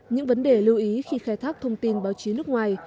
những vấn đề lưu ý khi khai thác thông tin báo chí nước ngoài